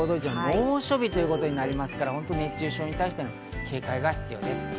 猛暑日ということになりますから、熱中症に対して警戒が必要です。